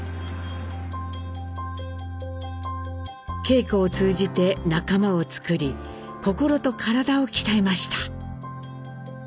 稽古を通じて仲間を作り心と体を鍛えました。